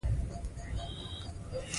رښتینې لیکنې ولس ته ګټه رسوي.